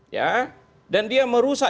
ya dan dia merusak